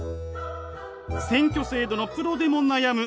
選挙制度のプロでも悩む